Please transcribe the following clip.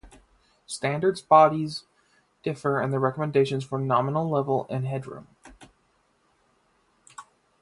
Standards bodies differ in their recommendations for nominal level and headroom.